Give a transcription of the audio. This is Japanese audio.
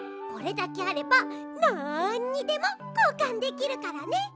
これだけあればなんにでもこうかんできるからね。